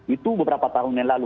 itu beberapa tahun yang lalu